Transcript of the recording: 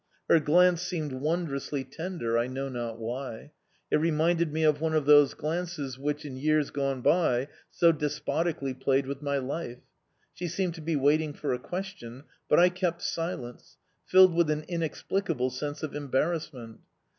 Her glance seemed wondrously tender, I know not why; it reminded me of one of those glances which, in years gone by, so despotically played with my life. She seemed to be waiting for a question, but I kept silence, filled with an inexplicable sense of embarrassment.